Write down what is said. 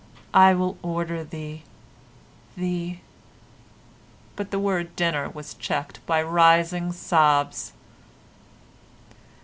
I will order the—the—" but the word "dinner" was checked by rising sobs.